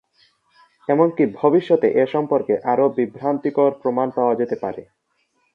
এমনকি ভবিষ্যতে এ সম্পর্কে আরো বিভ্রান্তিকর প্রমাণ পাওয়া যেতে পারে।